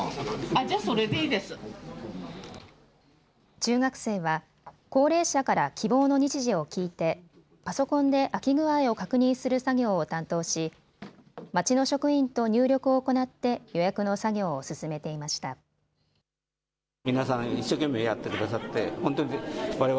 中学生は高齢者から希望の日時を聞いてパソコンで空き具合を確認する作業を担当し町の職員と入力を行って予約の作業を進めていました。